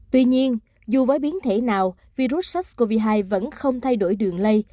tuy nhiên dù với biến thể nào virus sars cov hai vẫn không thay đổi đường lây